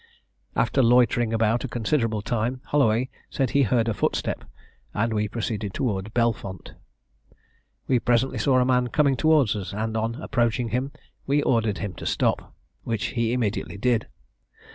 After loitering about a considerable time, Holloway said he heard a footstep, and we proceeded towards Belfont. We presently saw a man coming towards us, and, on approaching him, we ordered him to stop, which he immediately did.